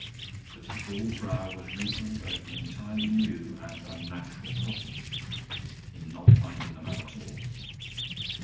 But his bald brow was wrinkled over an entirely new and unnatural problem, in not finding the man at all.